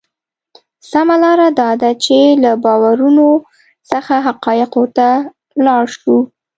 سمه لار دا ده چې له باورونو څخه حقایقو ته لاړ شو.